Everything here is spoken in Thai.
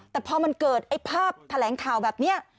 แต่พอมันเกิดไอ้ภาพแถลงข่าวแบบนี้